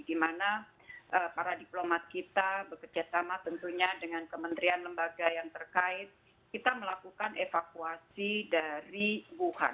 dimana para diplomat kita bekerjasama tentunya dengan kementerian lembaga yang terkait kita melakukan evakuasi dari wuhan